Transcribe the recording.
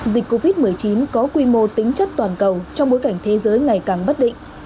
dịch covid một mươi chín có quy mô tính chất toàn cầu trong bối cảnh thế giới ngày càng bất định